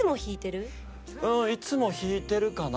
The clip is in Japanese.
いつも弾いてるかな。